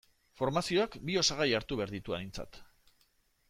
Formazioak bi osagai hartu behar ditu aintzat.